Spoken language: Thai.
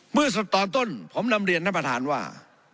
เมื่อสัปดาห์ต้นผมนำเรียนให้ประธานว่า